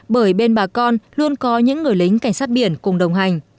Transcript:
bởi bên bà con luôn có những người lính cảnh sát biển cùng đồng hành